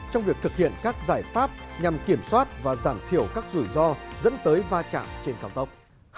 trong việc thực hiện các giải pháp nhằm kiểm soát và giảm thiểu các rủi ro dẫn tới va chạm trên cao tốc